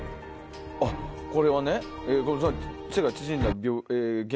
あっこれはね。